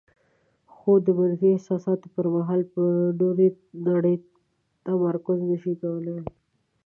خو د منفي احساساتو پر مهال په نورې نړۍ تمرکز نشي کولای.